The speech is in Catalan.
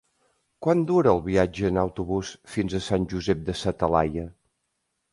Quant dura el viatge en autobús fins a Sant Josep de sa Talaia?